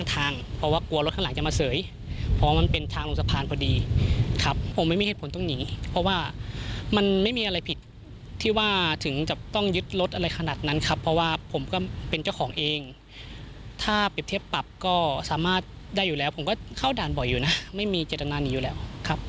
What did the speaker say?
ทางซ้ายทำให้ผมเสียหลักแล้วขับมันดีดปุ๊บ